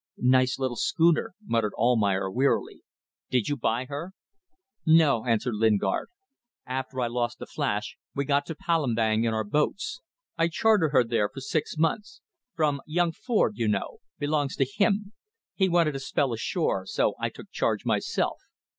"Nice little schooner," muttered Almayer, wearily. "Did you buy her?" "No," answered Lingard. "After I lost the Flash we got to Palembang in our boats. I chartered her there, for six months. From young Ford, you know. Belongs to him. He wanted a spell ashore, so I took charge myself.